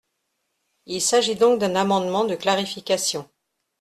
Il s’agit donc d’un amendement de clarification.